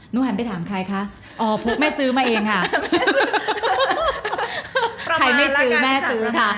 หันไปถามใครคะอ๋อแม่ซื้อมาเองค่ะใครไม่ซื้อแม่ซื้อค่ะ